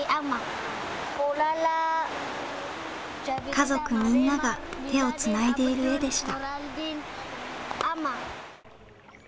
家族みんなが手をつないでいる絵でした。